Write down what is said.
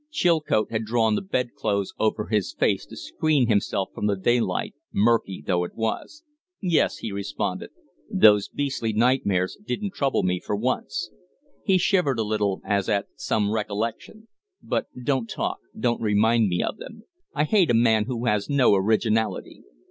Chilcote had drawn the bedclothes over his face to screen himself from the daylight, murky though it was. "Yes," he responded. "Those beastly nightmares didn't trouble me, for once." He shivered a little as at some recollection. "But don't talk don't remind me of them. I hate a man who has no originality."